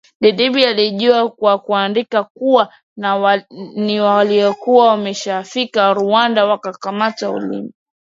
Debby alijibu kwa kuandika kuwa ni walikuwa wameshafika Rwanda wakamkata ulimi